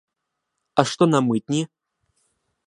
А што на мытні?